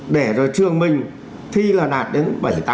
để rồi trường mình thi là đạt đến bảy tám chín mươi